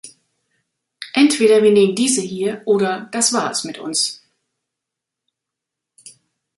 Entweder wir nehmen diese hier oder das war es mit uns.